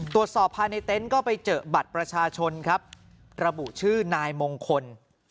ตรวจสอบภายในเต็นต์ก็ไปเจอบัตรประชาชนครับระบุชื่อนายมงคล